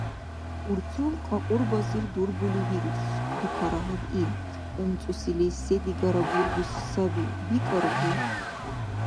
— Урцул кьакьурбазир дургули вирус, — дукаряхӀиб ил. — УмцӀусили се-дигара бургуси саби, бикӀаргу.